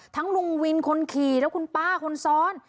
ลุงวินคนขี่และคุณป้าคนซ้อน